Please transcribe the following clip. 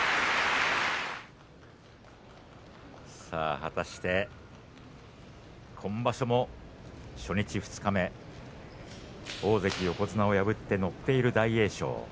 さあ、果たして今場所も初日二日目大関横綱を破って乗っている大栄翔。